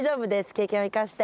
経験を生かして。